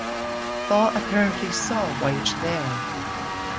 Thaw apparently saw White there.